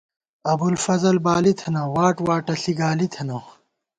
ابُوالفضل بالی تھنہ ، واٹ واٹہ ݪی ، گالی تھنہ